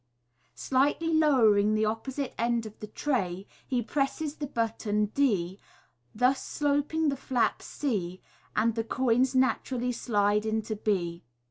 Slightly lowering the opposite end of the tray, he presses the button d, thus sloping the flap c, and the coins naturally slide into h.